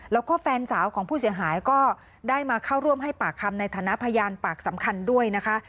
แล้วก็แฟนสาวของผู้เสียหายก็ได้มาเข้าร่วมให้ปากคำในฐานะพยานปากสำคัญด้วยนะคะ